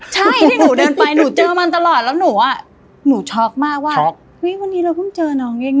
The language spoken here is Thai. ใช่ที่หนูเดินไปหนูเจอมันตลอดแล้วหนูอ่ะหนูช็อกมากว่าเฮ้ยวันนี้เราเพิ่งเจอน้องยังไง